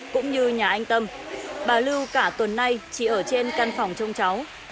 cũng như nhà anh tâm bà lưu cả tuần nay chỉ ở trên căn phòng trông cháu